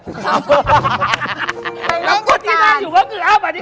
พูดที่นั่งอยู่ก็คือ